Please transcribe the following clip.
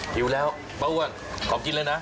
หิวแล้วป้าอ้วนขอกินเลยนะ